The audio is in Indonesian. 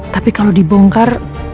tapi kalau dibongkar